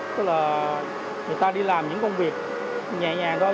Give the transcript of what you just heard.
tức là người ta đi làm những công việc nhẹ nhàng thôi